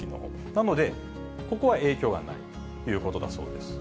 なので、ここは影響はないということだそうです。